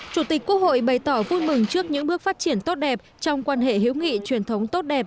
chủ tịch quốc hội bày tỏ vui mừng trước những bước phát triển tốt đẹp trong quan hệ hữu nghị truyền thống tốt đẹp